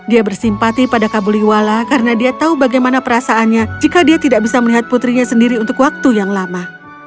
dia bersimpati pada kabuliwala karena dia tahu bagaimana perasaannya jika dia tidak bisa melihat putrinya sendiri untuk waktu yang lama